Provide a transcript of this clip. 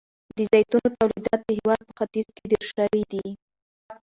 د زیتونو تولیدات د هیواد په ختیځ کې ډیر شوي دي.